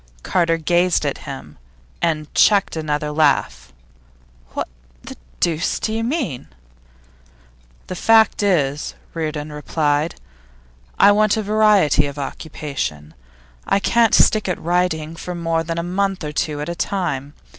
Carter gazed at him, and checked another laugh. 'What the deuce do you mean?' 'The fact is,' Reardon replied, 'I want variety of occupation. I can't stick at writing for more than a month or two at a time.